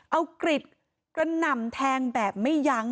เอากริดกระหน่ำแทงแบบไม่ยั้ง